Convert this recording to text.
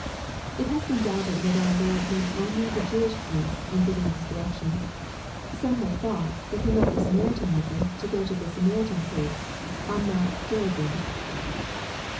It has been doubted whether our Lord meant only the Jewish priests, in giving this direction. Some have thought that He meant the Samaritan leper to go to the Samaritan priests on Mount Gerizim.